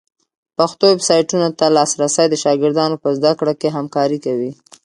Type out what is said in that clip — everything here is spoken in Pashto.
پښتو ویبسایټونو ته لاسرسی د شاګردانو په زده کړه کي همکاری کوي.